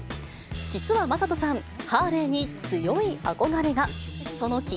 実は魔裟斗さん、ハーレーに強い憧れが。